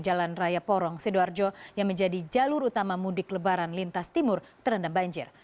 jalan raya porong sidoarjo yang menjadi jalur utama mudik lebaran lintas timur terendam banjir